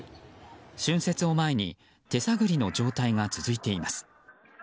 春節を前に手探りの状態が続いています。